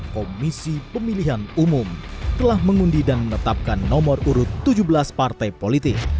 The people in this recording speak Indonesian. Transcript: komisi pemilihan umum telah mengundi dan menetapkan nomor urut tujuh belas partai politik